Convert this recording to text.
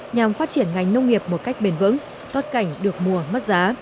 nhằm phát triển ngành nông nghiệp một cách bền vững tốt cảnh được mùa mất giá